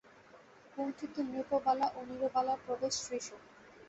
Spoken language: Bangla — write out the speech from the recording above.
কুণ্ঠিত নৃপবালা ও নীরবালার প্রবেশ শ্রীশ।